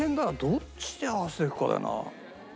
どっちに合わせていくかだよな。